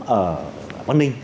ở bắc ninh